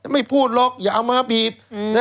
ไม่พูดหรอกอย่าเอามาบีบ